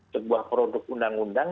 sebuah produk undang undang